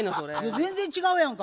全然違うやんか。